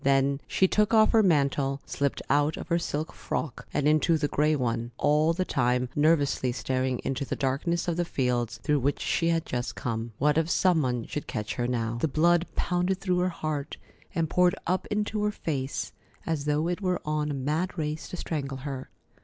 Then she took off her mantle, slipped out of her silk frock and into the gray one, all the time nervously staring into the darkness of the fields through which she had just come. What if some one should catch her now? The blood pounded through her heart, and poured up into her face, as though it were on a mad race to strangle her.